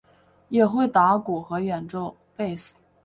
也会打鼓和演奏贝斯。